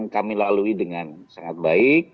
kami lalui dengan sangat baik